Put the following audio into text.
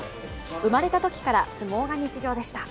生まれたときから相撲が日常でした。